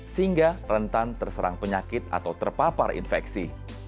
sehingga rentan terserang penyakit atau terpapar infeksi